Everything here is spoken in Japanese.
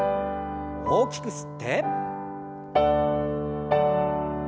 大きく吸って。